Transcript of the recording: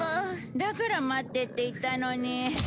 だから待ってって言ったのに。